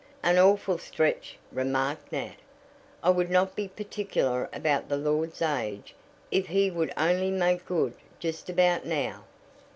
"An awful stretch," remarked Nat. "I would not be particular about the lord's age if he would only make good just about now."